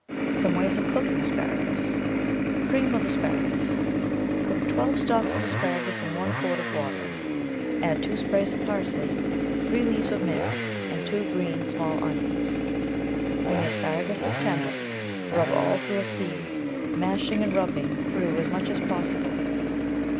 [m] THE VEGETABLE GARDEN SOME OF THE WAYS OF COOKING ASPARAGUS CREAM OF ASPARAGUS Cook twelve stalks of asparagus in one quart of water, add two sj)rays of parsley, three leaves of mint, and two small green onions. When the as paragus is tender, rub all through a sieve, mash ing and rubbing through as much as possible.